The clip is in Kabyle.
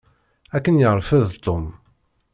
Ad ken-yerfed Tom.